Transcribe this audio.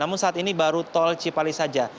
namun saat ini baru tol cipali saja